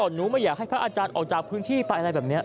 หนูไม่อยากให้พระอาจารย์ออกจากพื้นที่ไปอะไรแบบนี้